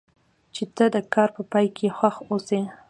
چې ته د کار په پای کې خوښ اوسې.